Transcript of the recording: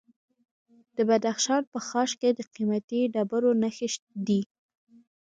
د بدخشان په خاش کې د قیمتي ډبرو نښې دي.